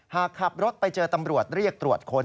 หากขับรถไปเจอตำรวจเรียกตรวจค้น